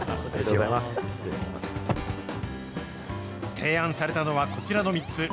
提案されたのは、こちらの３つ。